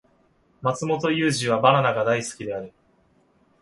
マツモトユウジはバナナが大好きである